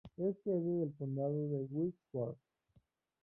Es sede del condado de Wexford.